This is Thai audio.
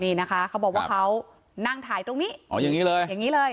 นี่นะคะเขาบอกว่าเขานั่งถ่ายตรงนี้อ๋ออย่างนี้เลยอย่างนี้เลย